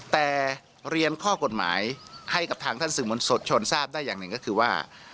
แต่เรียนข้อกฎหมายให้กับทางท่านสื่อมวลชนทราบได้อย่างหนึ่งก็คือว่า